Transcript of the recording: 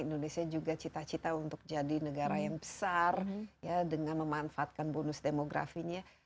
indonesia juga cita cita untuk jadi negara yang besar ya dengan memanfaatkan bonus demografinya